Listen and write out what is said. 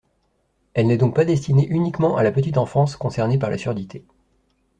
Elle n'est donc pas destinée uniquement à la petite enfance concernée par la surdité.